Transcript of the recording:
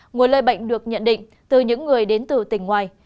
nguồn lây bệnh được nhận định từ những người đến từ tỉnh ngoài